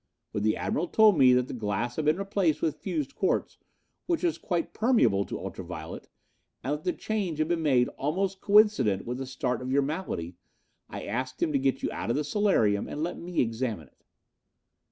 When the Admiral told me that the glass had been replaced with fused quartz, which is quite permeable to ultra violet and that the change had been almost coincident with the start of your malady, I asked him to get you out of the solarium and let me examine it.